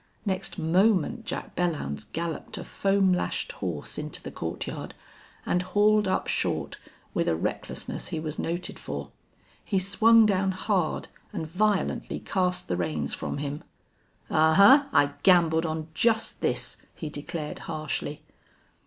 Next moment Jack Belllounds galloped a foam lashed horse into the courtyard and hauled up short with a recklessness he was noted for. He swung down hard and violently cast the reins from him. "Ahuh! I gambled on just this," he declared, harshly.